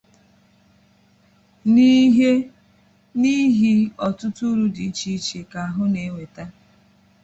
n'ihi ọtụtụ uru dị iche nke ahụ na-eweta